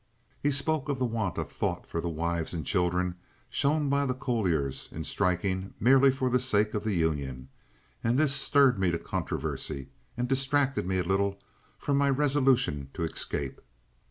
He spoke of the want of thought for their wives and children shown by the colliers in striking merely for the sake of the union, and this stirred me to controversy, and distracted me a little from my resolution to escape.